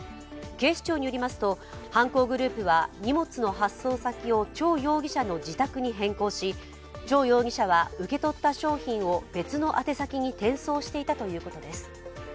警視庁によりますと、犯行グループは荷物の発送先を張容疑者の自宅に変更し張容疑者は受け取った商品を別の宛先に転送していたということです。